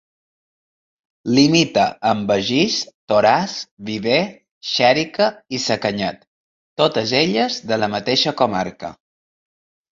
Limita amb Begís, Toràs, Viver, Xèrica i Sacanyet, totes elles de la mateixa comarca.